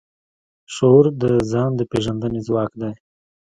شعور د ځان د پېژندنې ځواک دی.